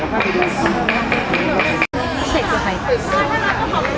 พระเจ้าข้าว